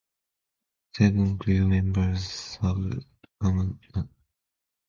Seven crew members succumbed to scurvy.